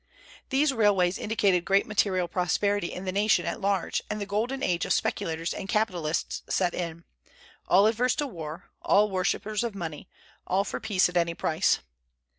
These railways indicated great material prosperity in the nation at large, and the golden age of speculators and capitalists set in, all averse to war, all worshippers of money, all for peace at any price.